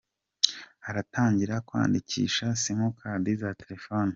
Haratangira kwandikisha simukadi za telefone